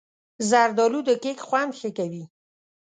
زردالو د کیک خوند ښه کوي.